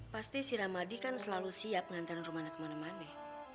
pasti si ramadi kan selalu siap nganterin rumahnya kemana mana